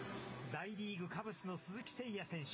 大リーグ・カブスの鈴木誠也選手。